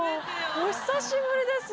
お久しぶりです。